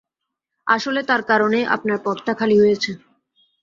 আসলে, তার কারণেই আপনার পদটা খালি হয়েছে।